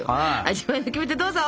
味わいのキメテどうぞ！